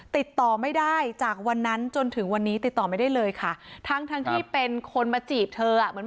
ติดต่อไม่ได้จากวันนั้นจนถึงวันนี้ติดต่อไม่ได้เลยค่ะทั้งทั้งที่เป็นคนมาจีบเธออ่ะเหมือน